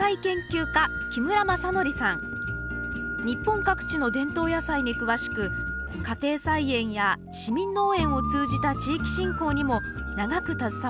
日本各地の伝統野菜に詳しく家庭菜園や市民農園を通じた地域振興にも長く携わっています